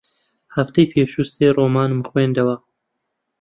هەفتەی پێشوو سێ ڕۆمانم خوێندەوە.